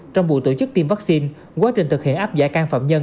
trong buổi tổ chức tiêm vaccine quá trình thực hiện áp giải can phạm nhân